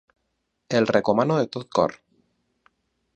El recomano de tot cor.